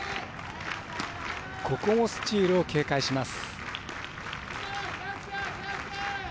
ここもスチールを警戒します。